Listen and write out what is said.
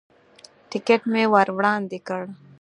ټکټ مې ور وړاندې کړ.